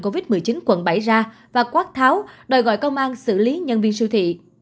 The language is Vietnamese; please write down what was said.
covid một mươi chín quận bảy ra và quát tháo đòi gọi công an xử lý nhân viên siêu thị